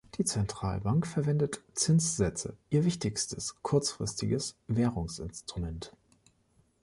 Die Zentralbank verwendet Zinssätze, ihr wichtigstes kurzfristiges Währungsinstrument.